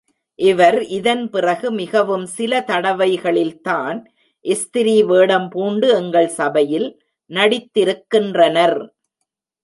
இவர் இதன்பிறகு மிகவும் சில தடவைகளில்தான் ஸ்திரீ வேடம் பூண்டு எங்கள் சபையில் நடித்திருக்கின்றனர்.